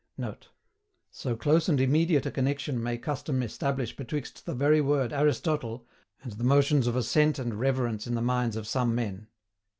[Note: "So close and immediate a connection may custom establish betwixt the very word ARISTOTLE, and the motions of assent and reverence in the minds of some men."